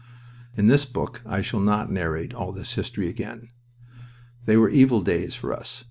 In this book I need not narrate all this history again. They were evil days for us.